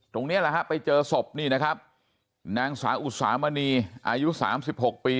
ตรงนี้ล่ะนะฮะไปเจอศพนี่นะครับนางสาอุสามณีอายุ๓๖ปี